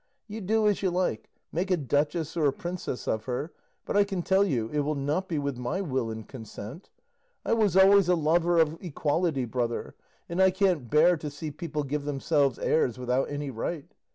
You do as you like, make a duchess or a princess of her, but I can tell you it will not be with my will and consent. I was always a lover of equality, brother, and I can't bear to see people give themselves airs without any right.